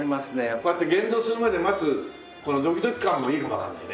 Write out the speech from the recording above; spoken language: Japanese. こうやって現像するまで待つこのドキドキ感もいいかもわかんないね。